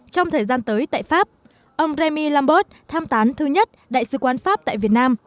trong thời gian tới tại pháp ông rémi lambert tham tán thứ nhất đại sứ quan pháp tại việt nam